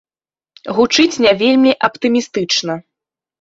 Гучыць не вельмі аптымістычна.